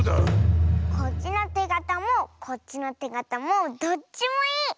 こっちのてがたもこっちのてがたもどっちもいい！